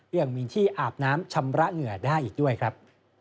ยังมีที่อาบน้ำชำระเหงื่อได้อีกด้วยครับ